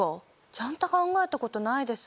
ちゃんと考えたことないです。